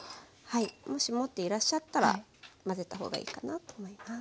もし持っていらっしゃったら混ぜた方がいいかなと思います。